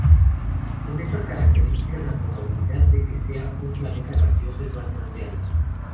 Con estas características, la probabilidad de que sea un planeta gaseoso es bastante alta.